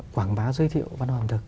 quảng bá giới thiệu văn hóa ẩm thực